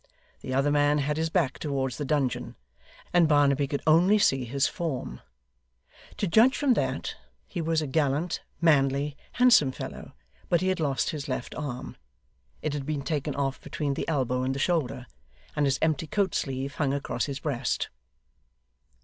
The other man had his back towards the dungeon, and Barnaby could only see his form. To judge from that, he was a gallant, manly, handsome fellow, but he had lost his left arm. It had been taken off between the elbow and the shoulder, and his empty coat sleeve hung across his breast.